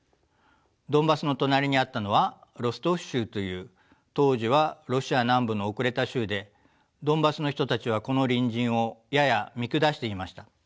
ドンバスの隣にあったのはロストフ州という当時はロシア南部の後れた州でドンバスの人たちはこの隣人をやや見下していました。